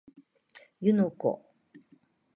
湯ノ湖